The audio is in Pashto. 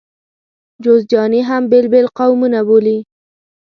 جوزجاني هم بېل بېل قومونه بولي.